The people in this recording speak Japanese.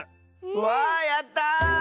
わあやった！